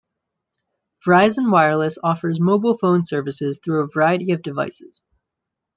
Verizon Wireless offers mobile phone services through a variety of devices.